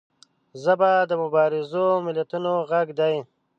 ژبه د مبارزو ملتونو غږ دی